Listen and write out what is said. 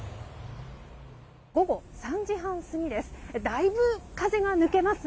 午後３時半過ぎです。